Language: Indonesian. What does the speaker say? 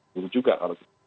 buru juga kalau